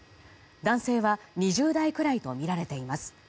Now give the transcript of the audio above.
男性は２０代くらいとみられています。